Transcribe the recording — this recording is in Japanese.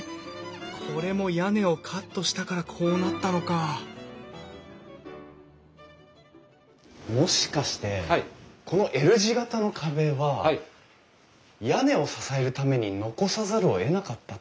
これも屋根をカットしたからこうなったのかもしかしてこのＬ字形の壁は屋根を支えるために残さざるをえなかったってことなんですか？